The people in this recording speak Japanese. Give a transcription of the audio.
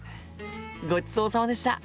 ごちそうさまでした。